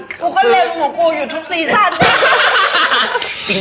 กูก็เร็วหัวกูอยู่ทุกซีซั่น